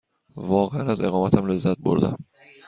واقعاً از اقامتم لذت بردم.